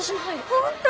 本当？